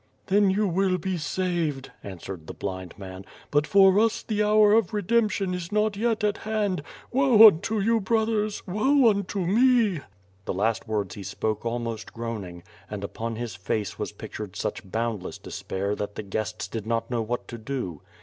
"Then you will be saved,'' answered the blind man, "but for us the hour of redemption is not yet at hand. Woe unto you, brothers, woe unto me!" The last words he spoke almost groaning, and upon hi? face was pictured such boundless despair that the guests did not know what to do.